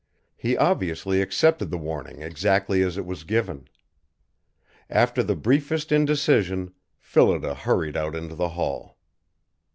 He obviously accepted the warning exactly as it was given. After the briefest indecision, Phillida hurried out into the hall.